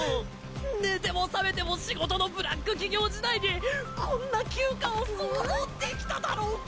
寝ても覚めても仕事のブラック企業時代にこんな休暇を想像できただろうか。